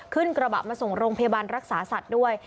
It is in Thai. ขึ้นกระบะมาส่งโรงพยาบาลรักษาสัตว์ด้วย